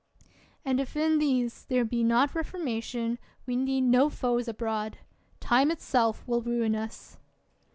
And if in these there be not reformation we need no foes abroad! Time itself will ruin us.